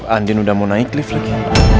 andin udah mau naik lift lagi